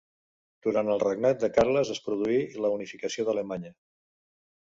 Durant el regnat de Carles es produí la Unificació d'Alemanya.